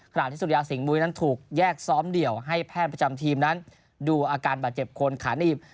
ขณะที่สุริยาสิงหมุยนั้นถูกแยกซ้อมเดี่ยวให้แพทย์ประจำทีมนั้นดูอาการบาดเจ็บคนขาหนีบ